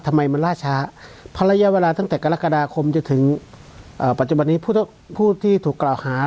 ทำไมมันล่าช้าเพราะระยะเวลาตั้งแต่กรกฎาคมจนถึงปัจจุบันนี้ผู้ที่ถูกกล่าวหา